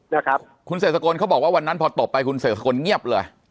นะครับคุณเศรษฐโกนเขาบอกว่าวันพอตบไปคุณเศรษฐโกนเงียบเลย